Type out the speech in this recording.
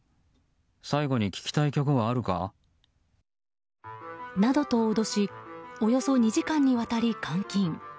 最後に聞きたい曲はあるか？などと脅しおよそ２時間にわたり監禁。